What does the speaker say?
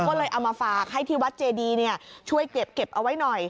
ก็เลยเอามาฝากให้ที่วัดเจดีช่วยเก็บเอาไว้หน่อย